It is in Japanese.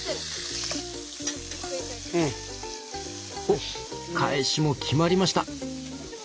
おっ返しも決まりました！